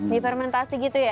di fermentasi gitu ya